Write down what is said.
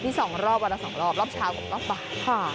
มี๒รอบอันละ๒รอบรอบเช้ากกว่าลอบบาท